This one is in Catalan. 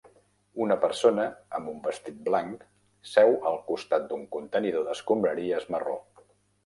Una persona amb un vestit blanc seu al costat d'un contenidor d'escombraries marró